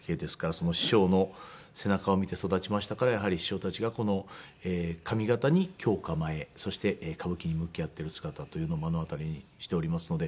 その師匠の背中を見て育ちましたからやはり師匠たちがこの上方に居を構えそして歌舞伎に向き合っている姿というのを目の当たりにしておりますので。